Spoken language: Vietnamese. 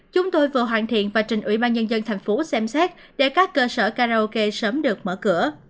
chúng tôi vừa hoàn thiện và trình ủy ban nhân dân thành phố xem xét để các cơ sở karaoke sớm được mở cửa